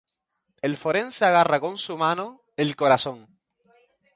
El forense agarra con su mano el corazón.